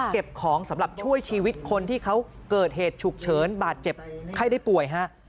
เก็บของสำหรับช่วยชีวิตคนที่เขาเกิดเหตุฉุกเฉินบาดเจ็บไข้ได้ป่วยฮะ